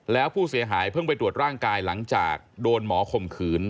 แล้วผู้เสียหายเพิ่งไปตรวจร่างกายหลังจากโดนหมอข่มขืน